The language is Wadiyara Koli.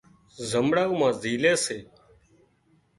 زمڙائو مان زائي سي